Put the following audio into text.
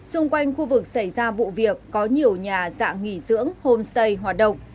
xung quanh khu vực xảy ra vụ việc có nhiều nhà dạng nghỉ dưỡng homestay hoạt động